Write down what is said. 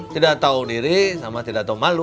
tidak tau diri sama tidak tau malu